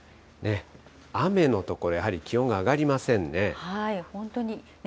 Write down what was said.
雨の所、やはり気温が上がりませ本当に。